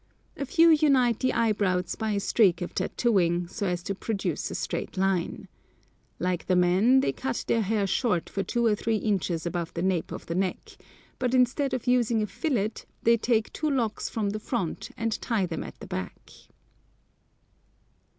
A few unite the eyebrows by a streak of tattooing, so as to produce a straight line. Like the men, they cut their hair short for two or three inches above the nape of the neck, but instead of using a fillet they take two locks from the front and tie them at the back.